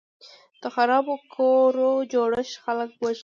د خرابو کورو جوړښت خلک وژني.